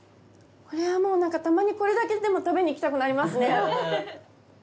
これはもうたまにこれだけでも食べに行きたくなりますね。